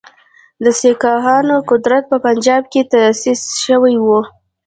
د سیکهانو قدرت په پنجاب کې تاسیس شوی وو.